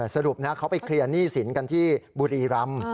สรุปนะเขาไปเคลียร์หนี้สินกันที่บุรีรำ